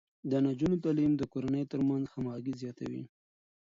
د نجونو تعليم د کورنيو ترمنځ همغږي زياتوي.